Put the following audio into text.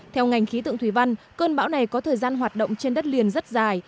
theo ngành khí tượng thủy văn cơn bão này có thời gian hoạt động trên đất liền rất dài